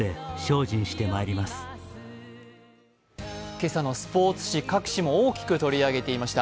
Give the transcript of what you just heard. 今朝のスポーツ紙、各紙も大きく取り上げていました。